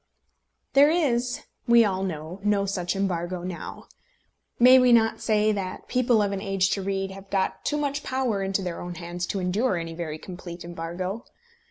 There is, we all know, no such embargo now. May we not say that people of an age to read have got too much power into their own hands to endure any very complete embargo?